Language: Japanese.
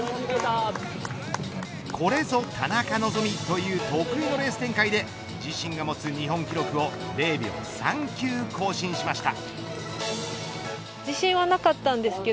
これぞ田中希実という得意のレース展開で自身が持つ日本記録を０秒３９更新しました。